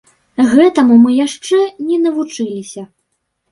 Гэтаму мы яшчэ не навучыліся.